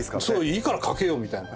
いいから書けよみたいな。